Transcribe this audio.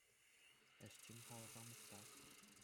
Ӗҫчен халӑха — мухтав!